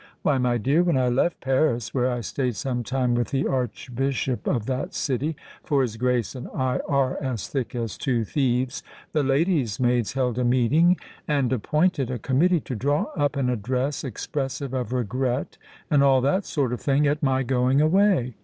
Why, my dear, when I left Paris—where I stayed some time with the Archbishop of that city,—for his Grace and I are as thick as two thieves—the ladies' maids held a meeting, and appointed a committee to draw up an address expressive of regret and all that sort of thing at my going away.